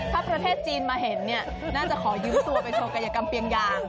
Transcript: ถ้าประเทศจีนมาเห็นเนี่ยน่าจะขอยืมตัวไปโชว์กายกรรมเปียงยาง